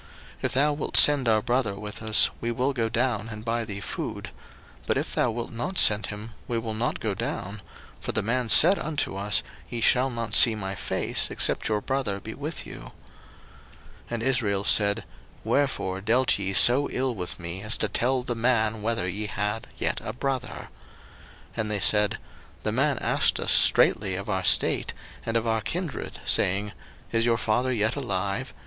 01:043:004 If thou wilt send our brother with us, we will go down and buy thee food: 01:043:005 But if thou wilt not send him, we will not go down: for the man said unto us, Ye shall not see my face, except your brother be with you. 01:043:006 And Israel said, Wherefore dealt ye so ill with me, as to tell the man whether ye had yet a brother? 01:043:007 And they said, The man asked us straitly of our state, and of our kindred, saying, Is your father yet alive?